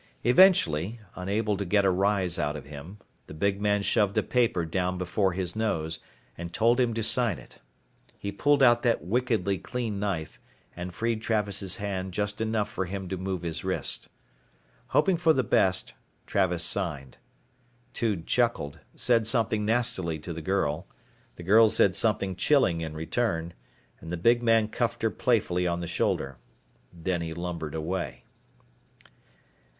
Eventually, unable to get a rise out of him, the big man shoved a paper down before his nose and told him to sign it. He pulled out that wickedly clean knife and freed Travis' hand just enough for him to move his wrist. Hoping for the best, Travis signed. Tude chuckled, said something nastily to the girl, the girl said something chilling in return, and the big man cuffed her playfully on the shoulder. Then he lumbered away.